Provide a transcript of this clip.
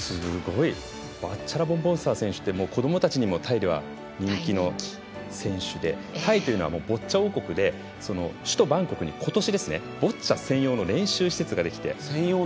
ワッチャラポン・ボンサー選手って子どもたちにも人気の選手でタイというのはボッチャ王国で首都バンコクに、ことしボッチャ専用の練習施設ができて。